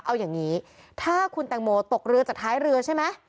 เอาอย่างนี้ถ้าคุณแตงโมตกเรือจากท้ายเรือใช่ไหม